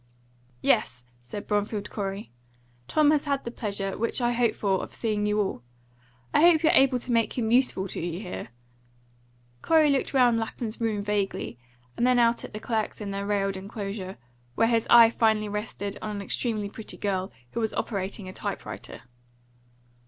"Yes," said Bromfield Corey. "Tom has had the pleasure which I hope for of seeing you all. I hope you're able to make him useful to you here?" Corey looked round Lapham's room vaguely, and then out at the clerks in their railed enclosure, where his eye finally rested on an extremely pretty girl, who was operating a type writer.